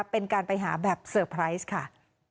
เป็นการไปหาแบบเซอร์ไพรส์ค่ะ